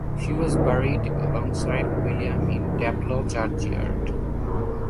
She was buried alongside William in Taplow churchyard.